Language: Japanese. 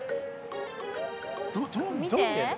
どどう見えんの？